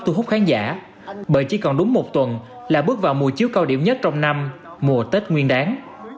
thu hút khán giả bởi chỉ còn đúng một tuần là bước vào mùa chiếu cao điểm nhất trong năm mùa tết nguyên đáng